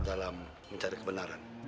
dalam mencari kebenaran